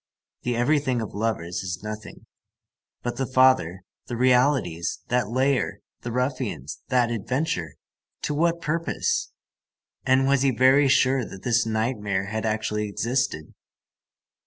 The everything of lovers is nothing. But the father, the realities, that lair, the ruffians, that adventure, to what purpose? And was he very sure that this nightmare had actually existed?